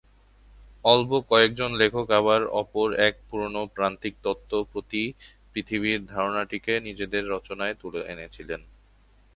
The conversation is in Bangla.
অল্প কয়েকজন লেখক আবার অপর এক পুরনো প্রান্তিক তত্ত্ব প্রতি-পৃথিবীর ধারণাটিকে নিজেদের রচনায় তুলে এনেছিলেন।